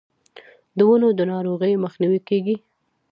د ونو د ناروغیو مخنیوی کیږي.